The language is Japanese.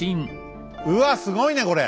うわすごいねこれ！